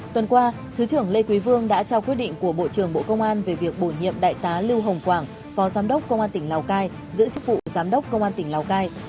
tuần qua thứ trưởng lê quý vương đã trao quyết định của bộ trưởng bộ công an về việc bổ nhiệm đại tá lưu hồng quảng phó giám đốc công an tỉnh lào cai giữ chức vụ giám đốc công an tỉnh lào cai